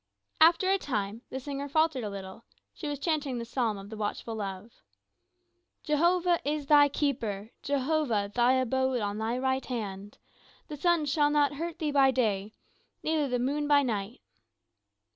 After a time the singer faltered a little; she was chanting the Psalm of the Watchful Love: "Jehovah is thy keeper, Jehovah thy abode on thy right hand; The sun shall not hurt thee by day, Neither the moon by night."